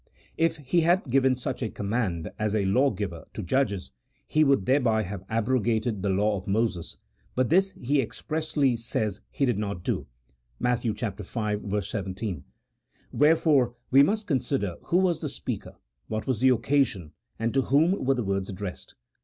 If He had given such a command, as a lawgiver, to judges, He would thereby have abrogated the law of Moses, but this He expressly says He did not do (Matt. v. 17). Wherefore we must consider who was the speaker, what was the occasion, and to whom were the words addressed.